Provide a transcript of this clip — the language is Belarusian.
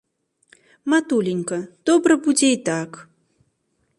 Матуленька, добра будзе і так.